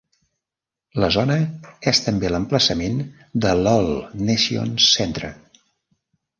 La zona és també l'emplaçament de l'All Nations Centre.